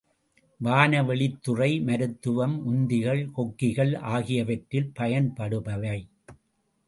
வானவெளித்துறை, மருத்துவம், உந்திகள் கொக்கிகள் ஆகியவற்றில் பயன்படுபவை.